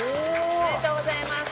おめでとうございます！